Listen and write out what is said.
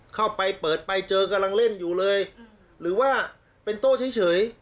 เข้าไปเปิดไปเจอกำลังเล่นอยู่เลยหรือว่าเป็นโต้เฉย